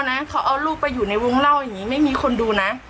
หรือเอาลูกไปอยู่ในวงเล่าคุณไม่มีคนดูนะ